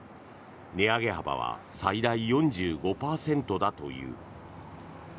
値上げ幅は最大４５％だという。